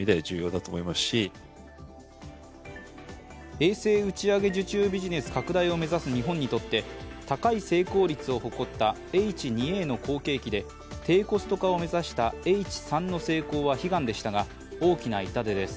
衛星打ち上げ受注ビジネス拡大を目指す日本にとって高い成功率を誇ったＨ２Ａの後継機で低コスト化を目指したＨ３の成功は悲願でしたが、大きな痛手です。